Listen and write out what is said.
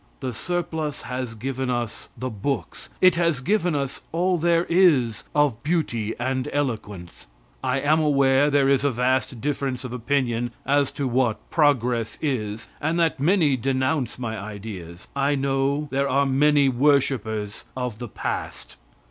The surplus has given us the books. It has given us all there is of beauty and eloquence. I am aware there is a vast difference of opinion as to what progress is, and that many denounce my ideas. I know there are many worshipers of the past.